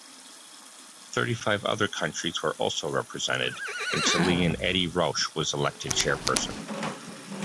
Thirty-five other countries were also represented, and Chilean Edy Rauch was elected Chairperson.